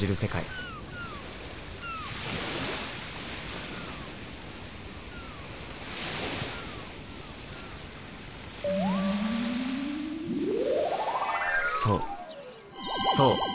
そうそう。